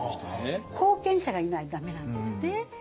後見者がいないと駄目なんですね。